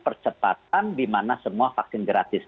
percepatan di mana semua vaksin gratis